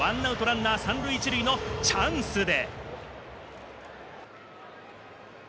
１アウトランナー３塁１塁のチャンスで。